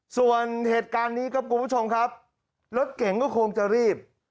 ส่วนเหตุการณ์นี้ครับคุณผู้ชมครับรถเก่งก็คงจะรีบ